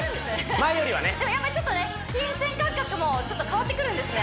前よりはねでもやっぱりちょっとね金銭感覚もちょっと変わってくるんですね